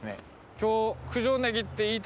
今日。